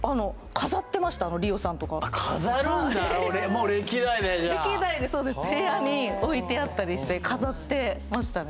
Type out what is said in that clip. もう歴代でじゃあ歴代でそうです部屋に置いてあったりして飾ってましたね